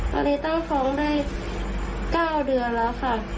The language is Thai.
ตอนนี้ตั้งฟ้องได้๙เดือนแล้วค่ะ